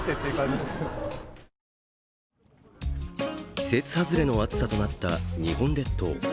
季節外れの暑さとなった日本列島。